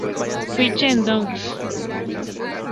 Ficha en Discogs